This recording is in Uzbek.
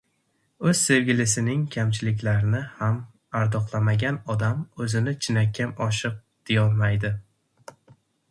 O‘z sevgilisining kamchiliklarini ham ardoqlamagan odam o‘zini chinakam oshiq deyolmaydi.